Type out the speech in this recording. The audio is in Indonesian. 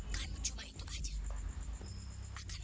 tinggal di tempat seperti ini